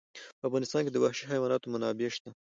په افغانستان کې د وحشي حیواناتو منابع شته.